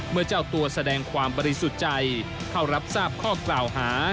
เจ้าตัวแสดงความบริสุทธิ์ใจเข้ารับทราบข้อกล่าวหา